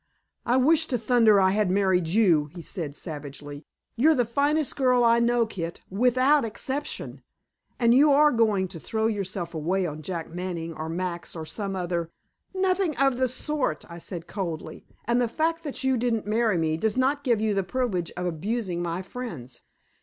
"I wish to thunder I had married you!" he said savagely. "You're the finest girl I know, Kit, WITHOUT EXCEPTION, and you are going to throw yourself away on Jack Manning, or Max, or some other " "Nothing of the sort," I said coldly, "and the fact that you didn't marry me does not give you the privilege of abusing my friends.